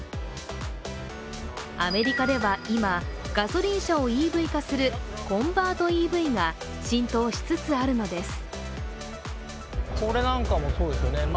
アメリカでは今、ガソリン車をＥＶ化するコンバートＥＶが浸透しつつあるのです。